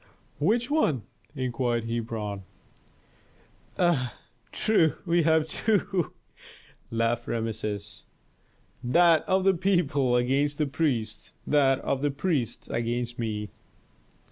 "Which one?" inquired Hebron. "Ah, true, we have two," laughed Rameses. "That of the people against the priests, that of the priests against me."